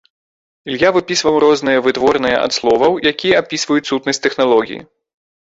Ілья выпісваў розныя вытворныя ад словаў, якія апісваюць сутнасць тэхналогіі.